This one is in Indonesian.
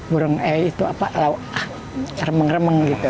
burung e itu apa remeng remeng gitu